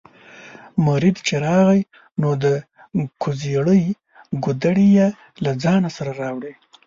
مرید چې راغی نو د کوزړۍ کودوړي یې له ځانه سره راوړل.